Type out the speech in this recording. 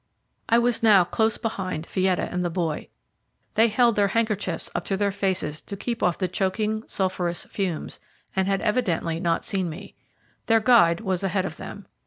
I was now close behind Fietta and the boy. They held their handkerchiefs up to their faces to keep off the choking sulphurous fumes, and had evidently not seen me. Their guide was ahead of them.